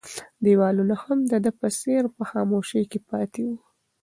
دیوالونه هم د ده په څېر په خاموشۍ کې پاتې وو.